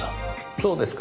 そうですか。